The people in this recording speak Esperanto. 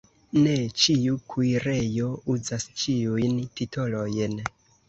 Ne ĉiu kuirejo uzas ĉiujn titolojn.